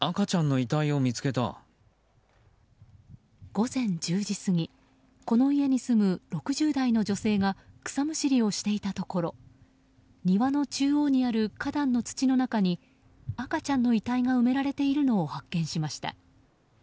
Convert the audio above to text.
午前１０時過ぎこの家に住む６０代の女性が草むしりをしていたところ庭の中央にある花壇の土の中に赤ちゃんの遺体が埋められているのを発見しました。